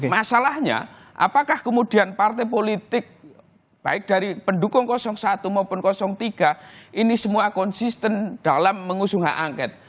masalahnya apakah kemudian partai politik baik dari pendukung satu maupun tiga ini semua konsisten dalam mengusung hak angket